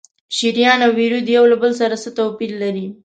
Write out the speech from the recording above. شریان او ورید یو له بل سره څه توپیر لري؟